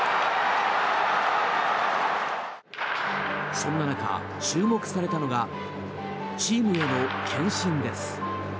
そんな中、注目されたのがチームへの献身です。